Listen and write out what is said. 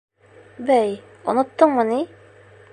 Бәй, оноттоңмо ни?